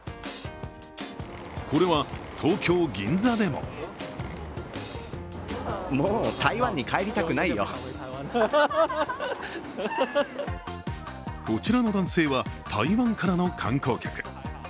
これは東京・銀座でもこちらの男性は台湾からの観光客。